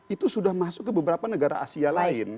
itu sudah masuk ke beberapa negara asia lain